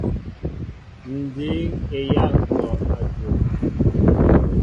Ǹ dǐŋ eyâl ŋ̀kɔ' a jow.